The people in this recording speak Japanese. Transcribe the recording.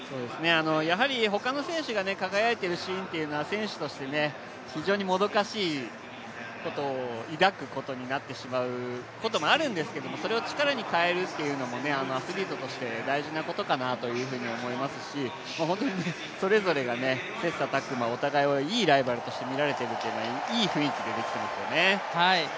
やはり他の選手が輝いているシーンというのは選手として非常にもどかしいことを抱くことになってしまうこともあるんですけど、それを力に変えるっていうのもアスリートとして大事なことかなと思いますし本当にそれぞれが切磋琢磨お互いをいいライバルとしてみられるのはいい雰囲気で、できていますよね。